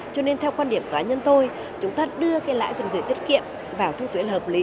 cho nên theo quan điểm cá nhân tôi chúng ta đưa cái lãi thuế tiết kiệm vào thu thuế là hợp lý